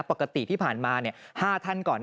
ปกติที่ผ่านมา๕ท่านก่อน